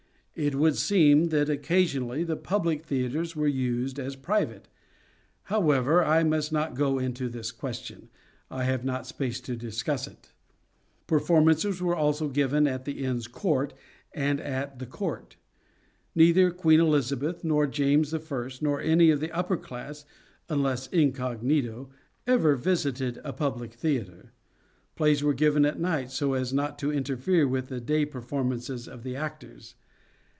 It would seem that occasionally the public theatres were used as private. How ever, I must not go into this question ; I have not space to discuss it. Performances were also given at the Inns of Court and at the Court. Neither Queen Elizabeth nor James I., nor any of the upper class, unless incognito, ever visited a public theatre. Plays were given at night so as not to interfere with the day performances of the actors.